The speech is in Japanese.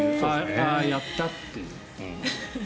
ああ、やったって。